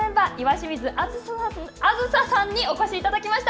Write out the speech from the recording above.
清水梓さんにお越しいただきました。